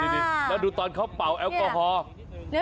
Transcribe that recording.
นี่แล้วดูตอนเขาเป่าแอลกอฮอล์